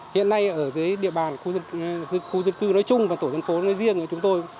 hiện nay ở dưới địa bàn khu dân cư nói chung và tổ dân phố nói riêng của chúng tôi